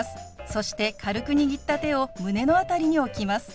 そして軽く握った手を胸の辺りに置きます。